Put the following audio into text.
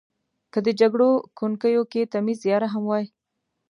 که د جګړو کونکیو کې تمیز یا رحم وای.